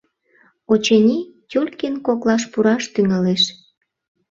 Очыни, Тюлькин коклаш пураш тӱҥалеш.